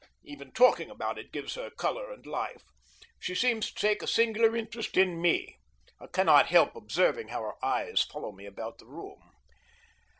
Even talking about it gives her color and life. She seems to take a singular interest in me. I cannot help observing how her eyes follow me about the room.